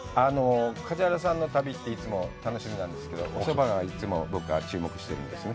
梶原さんの旅って、いつも楽しみなんですけど、おそばがいつも僕は注目しているんですね。